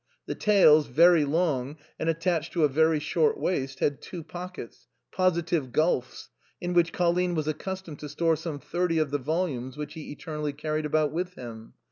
The tails, very long, and attached to a very short waist, had two pockets, positive gulfs, in which Colline was accustomed to store some thirty of the volumes which he eternally carried about with him.